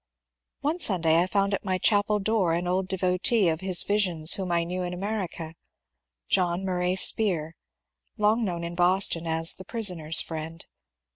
One Sunday I found at my chapel door an old devotee of his visions whom I knew in America, — John Murray Spear, long known in Boston as the ^^ prisoner's friend."